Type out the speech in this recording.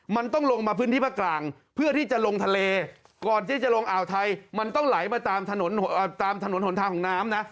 มันต้องลงมาพื้นที่ภาคกลางเพื่อที่จะลงทะเลก่อนที่จะลงอ่าวไทยมันต้องไหลมาตามถนนตามถนนหนทางของน้ำนะ